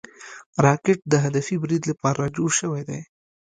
راکټ د هدفي برید لپاره جوړ شوی دی